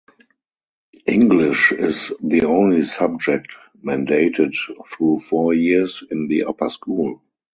English is the only subject mandated through four years in the Upper School.